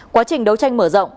quá trình đấu tranh mở rộng